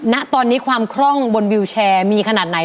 ณตอนนี้ความคล่องบนวิวแชร์มีขนาดไหน